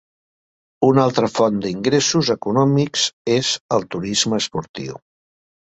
Una altra font d'ingressos econòmics és el turisme esportiu.